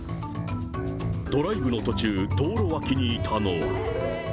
ドライブの途中、道路脇にいたのは。